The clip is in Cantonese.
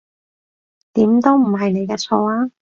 點都唔係你嘅錯呀